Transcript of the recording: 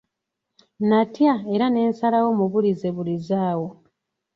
Natya era ne nsalawo mubulizebulize awo.